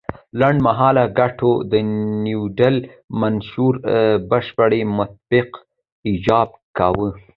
لنډ مهاله ګټو د نیوډیل منشور بشپړ تطبیق ایجاب کاوه.